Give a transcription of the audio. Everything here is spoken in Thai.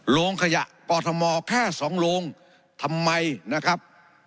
โรงขยะกอทมแค่สองโรงทำไมนะครับ